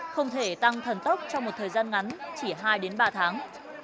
không thể tăng thần tốc trong một thời gian ngắn chỉ hai ba tháng